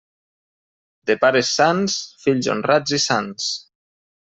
De pares sans, fills honrats i sants.